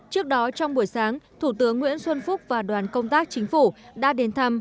trước đó trong buổi sáng thủ tướng nguyễn xuân phúc và đoàn công tác chính phủ đã đến thăm